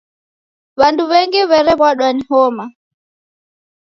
W'andu w'engi w'erew'adwa ni homa.